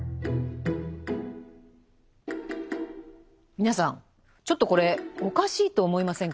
皆さんちょっとこれおかしいと思いませんか？